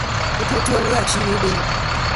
Ɨtu ' two ghɨ achi ɨwe i Belo.